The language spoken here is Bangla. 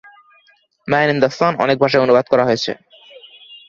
ম্যান ইন দ্যা সান অনেক ভাষায় অনুবাদ করা হয়েছে।